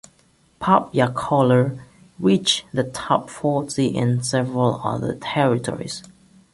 "Pop Ya Collar" reached the top forty in several other territories.